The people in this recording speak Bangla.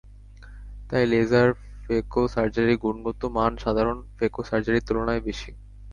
তাই লেজার ফ্যাকো সার্জারির গুণগত মান সাধারণ ফ্যাকো সার্জারির তুলনায় বেশি।